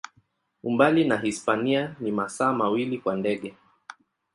Umbali na Hispania ni masaa mawili kwa ndege.